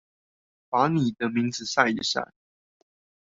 把你的名字曬一曬